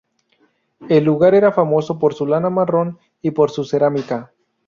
El lugar era famoso por su lana marrón, y por su cerámica.